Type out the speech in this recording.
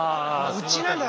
うちなんだよ